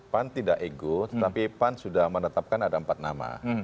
pan tidak ego tetapi pan sudah menetapkan ada empat nama